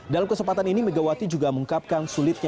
dalam kesempatan ini megawati juga mengungkapkan sulitnya